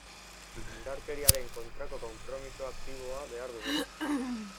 Indarkeriaren kontrako konpromiso aktiboa behar dugu.